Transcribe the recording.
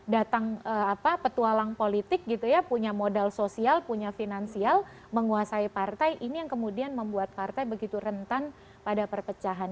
datang apa petualang politik gitu ya punya modal sosial punya finansial menguasai partai ini yang kemudian membuat partai begitu rentan pada perpecahan